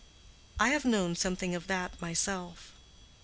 I have known something of that myself.